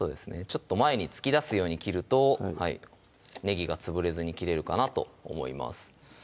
ちょっと前に突き出すように切るとねぎが潰れずに切れるかなと思います